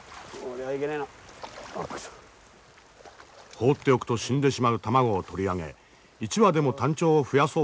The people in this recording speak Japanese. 放っておくと死んでしまう卵を取り上げ一羽でもタンチョウを増やそう。